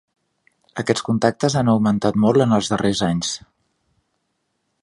Aquests contactes han augmentat molt en els darrers anys.